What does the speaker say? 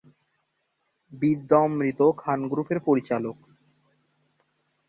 বিদ্যা অমৃত খান গ্রুপের পরিচালক।